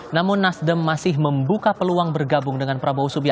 namun nasdem masih membuka peluangnya untuk mencari kepentingan yang berbeda dan yang tidak berbeda